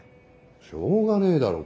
しょうがねえだろ。